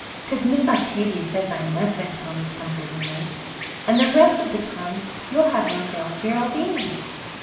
'Cause Miss Octavia says I must," said Tommy comfortingly. "And the rest of the time you'll have Roselle Geraldine."